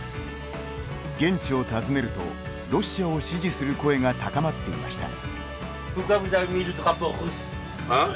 現地を訪ねると、ロシアを支持する声が高まっていました。